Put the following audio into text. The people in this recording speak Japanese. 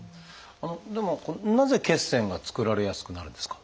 でもなぜ血栓が作られやすくなるんですか？